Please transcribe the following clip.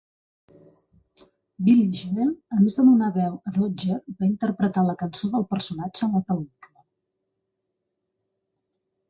Billy Joel, a més de donar veu a Dodger, va interpretar la cançó del personatge a la pel·lícula.